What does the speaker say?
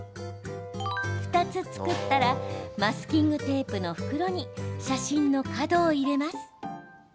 ２つ作ったらマスキングテープの袋に写真の角を入れます。